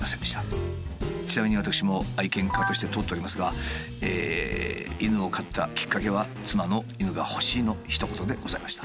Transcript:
ちなみに私も愛犬家として通っておりますが犬を飼ったきっかけは妻の「犬が欲しい」のひと言でございました。